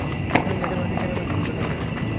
যাতে মার্কিন সেনাবাহিনীকে বিভ্রান্ত করা যায়।